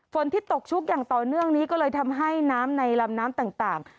ที่ตกชุกอย่างต่อเนื่องนี้ก็เลยทำให้น้ำในลำน้ำต่าง